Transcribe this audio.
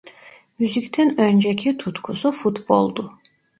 Müzikten önceki tutkusu futboldu.